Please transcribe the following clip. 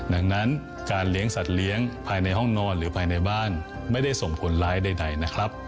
ดังนั้นการเลี้ยงสัตว์เลี้ยงภายในห้องนอนหรือภายในบ้านไม่ได้ส่งผลร้ายใดนะครับ